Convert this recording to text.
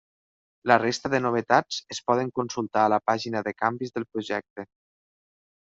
La resta de novetats es poden consultar a la pàgina de canvis del projecte.